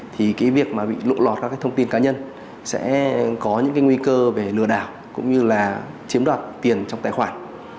thì cái việc mà bị lộ lọt các cái thông tin cá nhân sẽ có những cái nguy cơ về lừa đảo cũng như là chiếm đoạt tiền trong tài khoản